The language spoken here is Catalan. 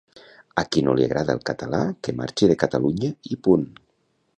A qui no l'agrada el català que marxi de Catalunya i punt